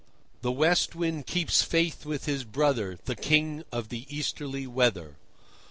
The West Wind keeps faith with his brother, the King of the Easterly weather.